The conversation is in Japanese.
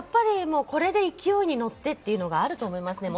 これで勢いに乗ってっていうのがあると思います。